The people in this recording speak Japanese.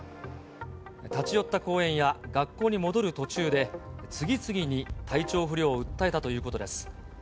立ち寄った公園や学校に戻る途中で、次々に体調不良を訴えたということです。